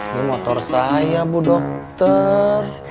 ini motor saya bu dokter